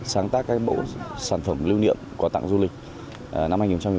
sáng tác cái mẫu sản phẩm lưu niệm có tặng du lịch năm hai nghìn một mươi bảy